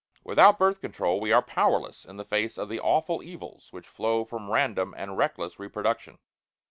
Without Birth Control we are powerless in the face of the awful evils which flow from random and reckless reproduction.